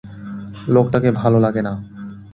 লোকটাকে ভালো লাগে না!